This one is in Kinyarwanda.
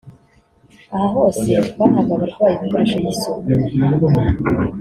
Aha hose twahaga abarwayi ibikoresho y’isuku